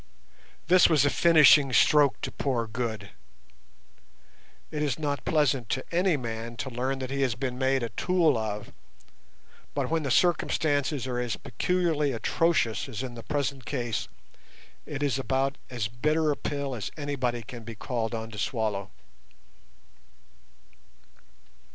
This was a finishing stroke to poor Good. It is not pleasant to any man to learn that he has been made a tool of, but when the circumstances are as peculiarly atrocious as in the present case, it is about as bitter a pill as anybody can be called on to swallow.